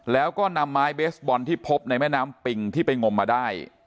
แล้วก็นำไม้เบสบอลที่พบในแม่น้ำปิงที่ไปงมมาได้